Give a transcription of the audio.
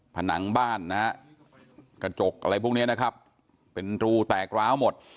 ผนังบ้านนะฮะกระจกอะไรพวกนี้นะครับเป็นรูแตกร้าวหมด